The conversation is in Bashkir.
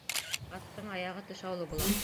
Аттың аяғы тышаулы була.